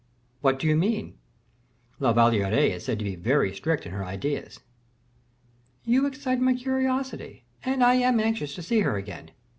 "What do you mean?" "La Valliere is said to be very strict in her ideas." "You excite my curiosity and I am anxious to see her again.